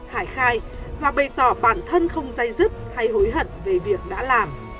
hải khai và bày tỏ bản thân không dây dứt hay hối hận về việc đã làm